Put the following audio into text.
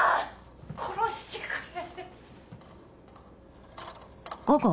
殺してくれ。